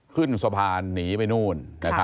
ขึ้นสะพานหนีไปนู่น